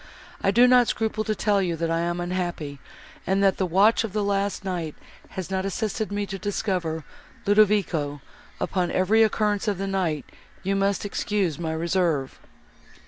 I do not scruple to tell you, that I am unhappy, and that the watch of the last night has not assisted me to discover Ludovico; upon every occurrence of the night you must excuse my reserve."